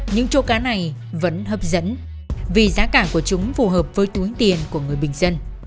những chỗ cá này vẫn hấp dẫn vì giá cả của chúng phù hợp với túi tiền của người bình dân